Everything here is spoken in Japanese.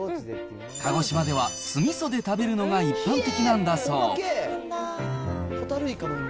鹿児島では酢みそで食べるのが一般的なんだそう。